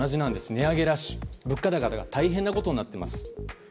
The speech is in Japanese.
値上げラッシュ、物価高が大変なことになっています。